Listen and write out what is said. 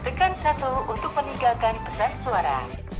tekan satu untuk meninggalkan pesan suara